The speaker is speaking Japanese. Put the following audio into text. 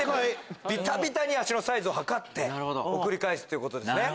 ビッタビタに足のサイズを測って送り返すっていうことですね。